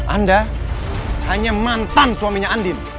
anda hanya mantan suaminya andin